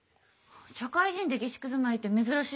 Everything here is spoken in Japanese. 社会人で下宿住まいって珍しいわね。